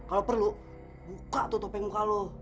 kalau perlu buka tuh topeng muka lo